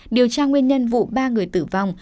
điều tra nguyên nhân vụ ba người tử vong